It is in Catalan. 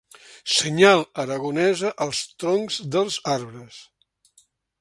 Senyal aragonesa als troncs dels arbres.